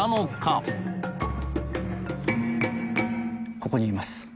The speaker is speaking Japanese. ここにいます